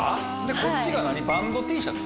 こっちがバンドＴシャツ？